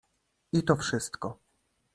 "I to wszystko."